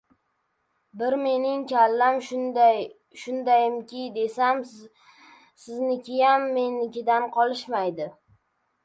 Bir mening kallam shundaymikin desam, siznikiyam menikidan qolishmaydi!..